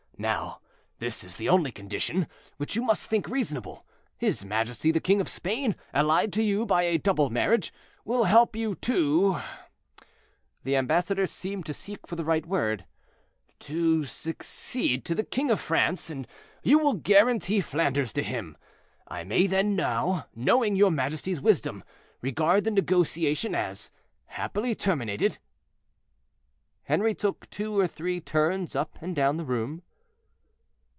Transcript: Now, this is the only condition, which you must think reasonable. His majesty the king of Spain, allied to you by a double marriage, will help you to—" the ambassador seemed to seek for the right word, "to succeed to the king of France, and you will guarantee Flanders to him. I may then, now, knowing your majesty's wisdom, regard the negotiation as happily terminated." Henri took two or three turns up and down the room.